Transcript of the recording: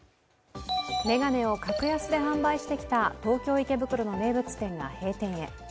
眼鏡を格安で販売してきた東京・池袋の名物店が閉店へ。